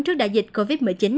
trước đại dịch covid một mươi chín